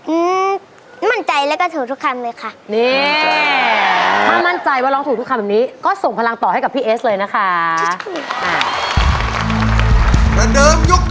อืมมั่นใจแล้วก็ถูกทุกคำเลยค่ะ